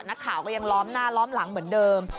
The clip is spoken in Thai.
นักข่าวก็ยังล้อมหน้าล้อมหลังเหมือนเดิม